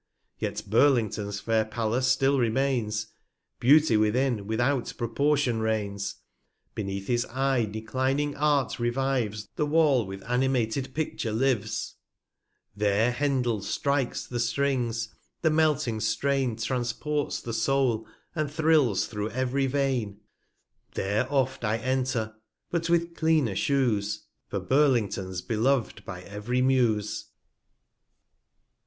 370 Yet Burlington 's fair Palace still remains ; Beauty within, without Proportion reigns. Beneath his Eye declining Art revives, The Wall with animated Pidure lives ; 374 There Hendel strikes the Strings, the melting Strain Transports the Soul, and thrills through ev'ry Vein; There oft' I enter (but with cleaner Shoes) For Burlington s belov'd by ev'ry Muse.